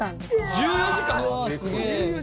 １４時間！？